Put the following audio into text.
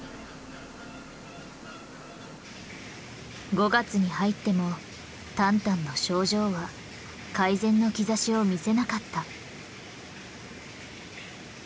５月に入ってもタンタンの症状は改善の兆しを見せなかった。